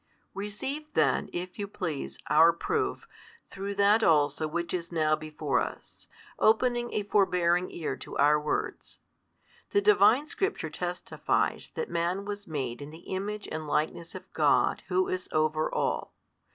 |141 Receive then, if you please, our proof through that also which is now before us, opening a forbearing ear to our words. The Divine Scripture testifies that man was made in the Image and Likeness of God Who is over all.